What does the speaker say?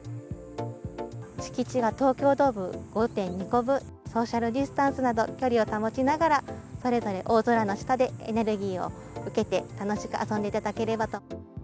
敷地が東京ドーム５．２個分、ソーシャルディスタンスなど距離を保ちながら、それぞれ大空の下で、エネルギーを受けて楽しく遊んでいただければと。